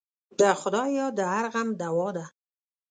د خدای یاد د هر غم دوا ده.